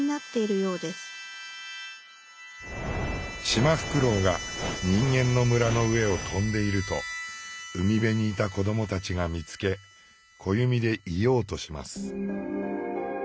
シマフクロウが人間の村の上を飛んでいると海辺にいた子どもたちが見つけ小弓で射ようとします。